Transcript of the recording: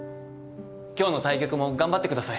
今日の対局も頑張ってください。